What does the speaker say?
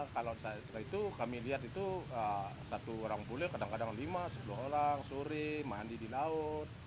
kalau setelah itu kami lihat itu satu orang pulih kadang kadang lima sepuluh orang suri mandi di laut